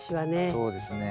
そうですね。